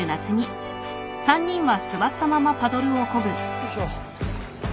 ・よいしょ。